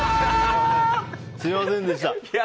すみませんでした。